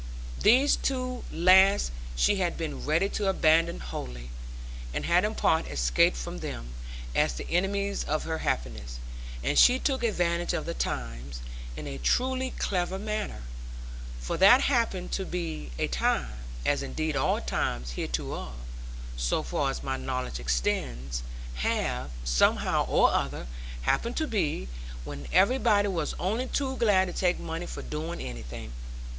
These two last she had been ready to abandon wholly, and had in part escaped from them, as the enemies of her happiness. And she took advantage of the times, in a truly clever manner. For that happened to be a time as indeed all times hitherto (so far as my knowledge extends), have, somehow, or other, happened to be when everybody was only too glad to take money for doing anything.